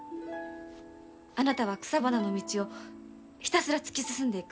あなたは草花の道をひたすら突き進んでいく。